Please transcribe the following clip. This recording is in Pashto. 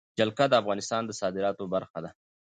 جلګه د افغانستان د صادراتو برخه ده.